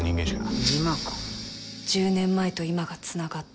１０年前と今がつながった。